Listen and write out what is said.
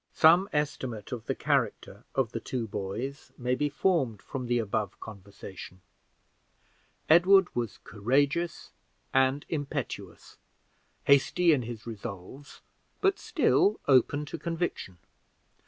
Some estimate of the character of the two boys may be formed from the above conversation. Edward was courageous and impetuous hasty in his resolves, but still open to conviction.